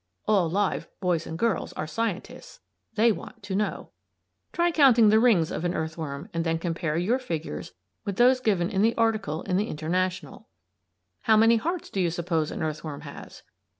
(All live boys and girls are scientists; they want to know.) Try counting the rings of an earthworm and then compare your figures with those given in the article in the "International." How many hearts do you suppose an earthworm has?